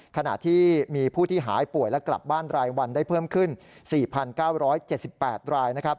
ขณะที่มีผู้ที่หายป่วยและกลับบ้านรายวันได้เพิ่มขึ้น๔๙๗๘รายนะครับ